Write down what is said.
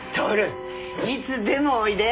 享いつでもおいで。